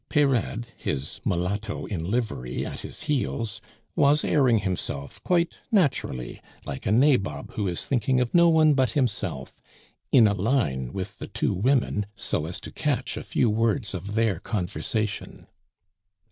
Peyrade, his mulatto in livery at his heels, was airing himself quite naturally, like a nabob who is thinking of no one but himself, in a line with the two women, so as to catch a few words of their conversation.